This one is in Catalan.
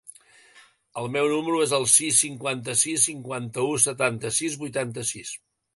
El meu número es el sis, cinquanta-sis, cinquanta-u, setanta-sis, vuitanta-sis.